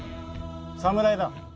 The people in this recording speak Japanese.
侍だ。